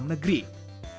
menanggap laptop dalam negeri